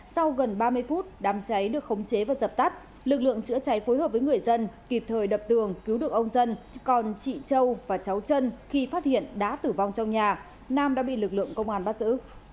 sau gần ba mươi phút đám cháy được khống chế và dập tắt lực lượng chữa cháy phối hợp với người dân kịp thời đập tường cứu được ông dân còn chị châu và cháu chân khi phát hiện đã tử vong trong nhà nam đã bị lực lượng công an bắt giữ